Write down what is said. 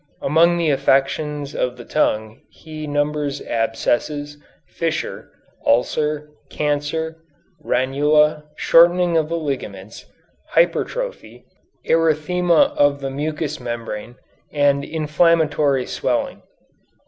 Among the affections of the tongue he numbers abscess, fissure, ulcer, cancer, ranula, shortening of the ligaments, hypertrophy, erythema of the mucous membrane, and inflammatory swelling.